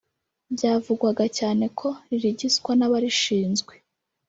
byavugwaga cyane ko ririgiswa n’ abarishinzwe